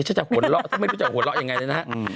ฉันจะหัวเล่าฉันไม่รู้จะหัวเล่ายังไงนะ